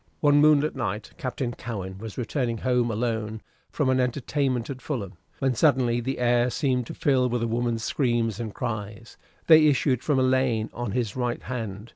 One moonlight night Captain Cowen was returning home alone from an entertainment at Fulham, when suddenly the air seemed to fill with a woman's screams and cries. They issued from a lane on his right hand.